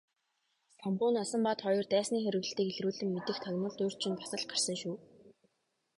Самбуу Насанбат хоёр дайсны хориглолтыг илрүүлэн мэдэх тагнуулд урьд шөнө бас л гарсан шүү.